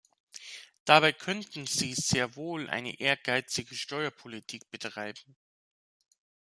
Dabei könnten Sie sehr wohl eine ehrgeizige Steuerpolitik betreiben!